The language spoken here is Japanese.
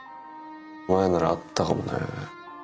前ならあったかもね。